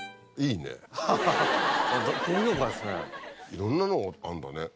いろんなのあんだね。